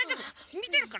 みてるから！